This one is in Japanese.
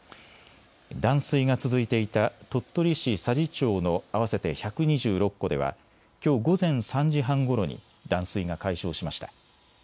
断水が続いていた鳥取市佐治町の合わせて１２６戸ではきょう午前３時半ごろに断水が解消しました。